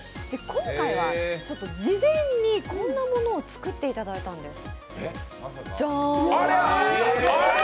今回は事前にこんなものを作っていただいたんです。